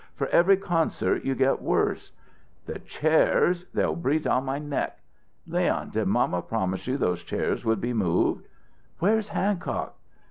For every concert you get worse." "The chairs they'll breathe on my neck." "Leon, did mamma promise you those chairs would be moved?" "Where's Hancock?"